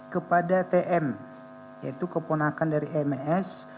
kepada tm yaitu keponakan dari ms